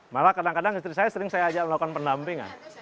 malah kadang kadang istri saya sering saya ajak melakukan pendampingan